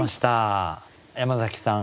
山崎さん